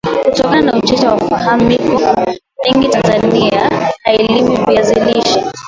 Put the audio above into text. Kutokana na Uchache wa ufaham miko mingi TAnzania hailimi viazi lishe